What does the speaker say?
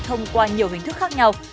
thông qua nhiều hình thức khác nhau